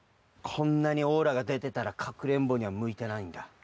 こんなにオーラがでてたらかくれんぼにはむいてないんだ。